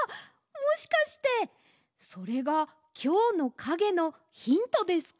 もしかしてそれがきょうのかげのヒントですか？